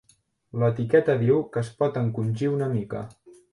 L'etiqueta diu que es pot encongir una mica.